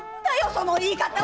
その言い方は！